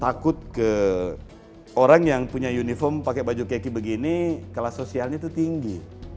takut ke orang yang punya uniform pakai baju keki begini kelas sosialnya itu tinggi